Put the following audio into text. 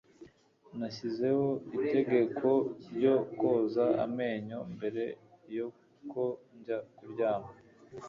Nashyizeho itegeko ryo koza amenyo mbere yuko njya kuryama